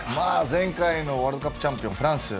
前回のワールドカップチャンピオン